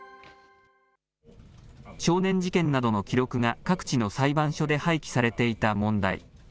少年事件などの記録が各地の裁判所で廃棄されていた問題。